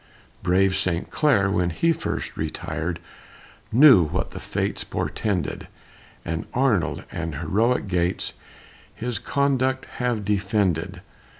Brave St. Clair, when he first retired, Knew what the fates portended; And Arnold and heroic Gates His conduct have defended.